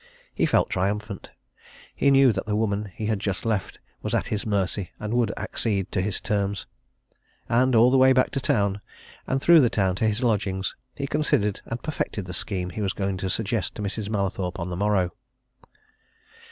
He felt triumphant he knew that the woman he had just left was at his mercy and would accede to his terms. And all the way back to town, and through the town to his lodgings, he considered and perfected the scheme he was going to suggest to Mrs. Mallathorpe on the morrow.